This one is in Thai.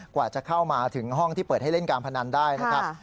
กว่าจะเข้ามาถึงห้องที่เปิดให้เล่นการพนันได้นะครับ